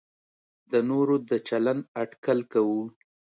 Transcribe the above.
د نورو د چلند اټکل کوو.